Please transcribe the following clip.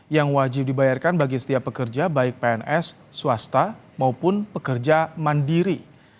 yang wajib dibayarkan bagi setiap pekerja baik pns swasta maupun pekerja mandiri